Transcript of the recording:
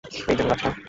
ঐ যে গাছটা!